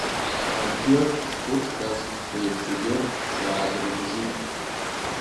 Абжьы шхәыҵҟьаз еиԥш егьырҭ иаадырӷызит.